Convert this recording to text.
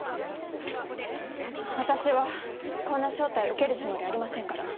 私はこんな招待受けるつもりありませんから。